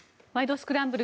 スクランブル」